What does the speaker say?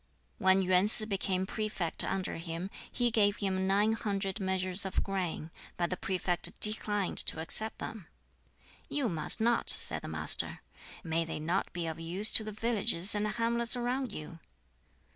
When Yuen Sz became prefect under him, he gave him nine hundred measures of grain, but the prefect declined to accept them. "You must not," said the Master. "May they not be of use to the villages and hamlets around you?"